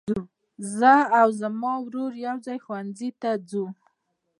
زه او زما ورور يوځای ښوونځي ته ځو.